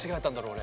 俺。